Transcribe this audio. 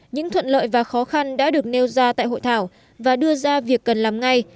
những thuận lợi và khó khăn đã được nêu ra tại hội thảo và đưa ra việc cần làm ngay